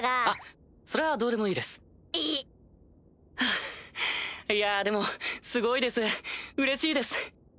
ハァいやでもすごいですうれしいです。